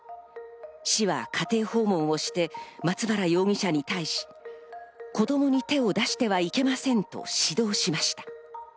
市は家庭訪問をして松原容疑者に対し、子供に手を出してはいけませんと指導しました。